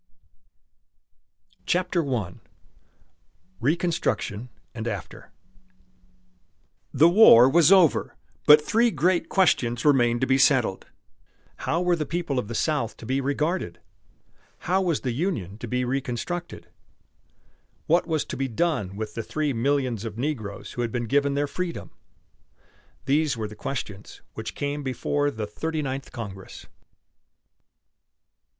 CHAPTER I RECONSTRUCTION AND AFTER The war was over, but three great questions remained to be settled. How were the people of the South to be regarded? How was the Union to be reconstructed? What was to be done with the three millions of negroes who had been given their freedom? These were the questions which came before the Thirty Ninth Congress.